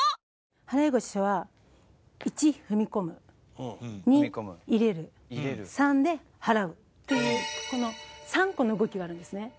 払腰は１踏み込む２入れる３で払うっていうこの３個の動きがあるんですね。